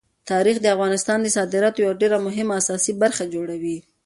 تاریخ د افغانستان د صادراتو یوه ډېره مهمه او اساسي برخه جوړوي.